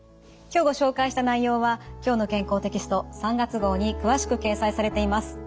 今日ご紹介した内容は「きょうの健康」テキスト３月号に詳しく掲載されています。